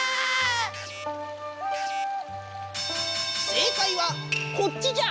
正解はこっちじゃ。